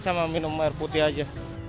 biasanya emang minum air putih aja